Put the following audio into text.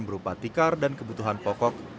berupa tikar dan kebutuhan pokok